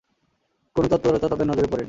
কোন তৎপরতা তাদের নজরে পড়েনি।